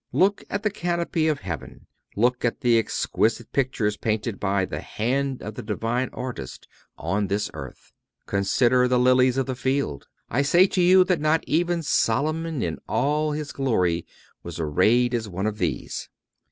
Look at the canopy of heaven. Look at the exquisite pictures painted by the Hand of the Divine Artist on this earth. "Consider the lilies of the field.... I say to you that not even Solomon in all his glory was arrayed as one of these."